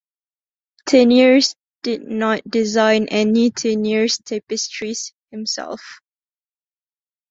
Teniers did not design any Teniers tapestries himself.